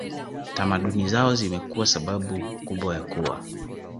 tamaduni zao zimekuwa sababu kubwa ya kuwa